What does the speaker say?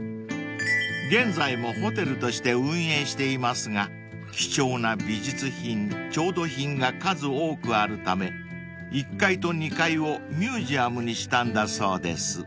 ［現在もホテルとして運営していますが貴重な美術品調度品が数多くあるため１階と２階をミュージアムにしたんだそうです］